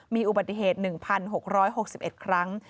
มีอุบัติเหตุ๑๖๖๑ครั้ง